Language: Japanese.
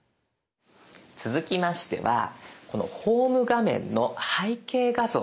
続きましてはこのホーム画面の背景画像